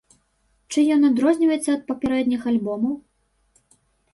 Чым ён адрозніваецца ад папярэдніх альбомаў?